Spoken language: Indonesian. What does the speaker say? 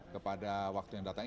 kepada waktu yang datang